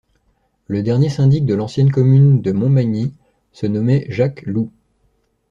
Le dernier syndic de l'ancienne commune de Montmagny se nommait Jacques Loup.